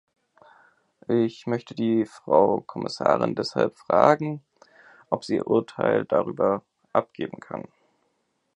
Ich möchte die Frau Kommissarin deshalb fragen, ob sie ihr Urteil darüber abgeben kann.